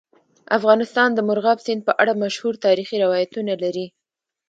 افغانستان د مورغاب سیند په اړه مشهور تاریخی روایتونه لري.